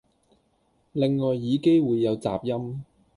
另外耳機會有雜音